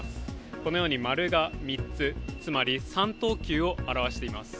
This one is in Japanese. このように丸が３つ、つまり、３等級を表しています。